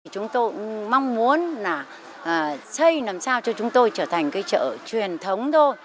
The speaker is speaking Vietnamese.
chúng tôi mong muốn là xây làm sao cho chúng tôi trở thành cái chợ truyền thống thôi